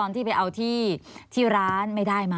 ทีที่ร้านไม่ได้มา